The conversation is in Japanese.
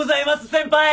先輩。